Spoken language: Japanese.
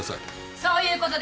そういうことです。